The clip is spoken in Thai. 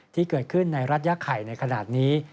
ที่เกิดขึ้นในรัฐยาไข่ในขณะนี้